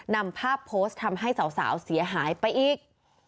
นำภาพโพสต์ทำให้สาวเสียหายไปอีก